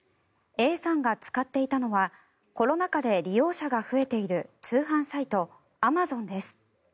Ａさんが使っていたのはコロナ禍で利用者が増えている通販サイト、アマゾンです。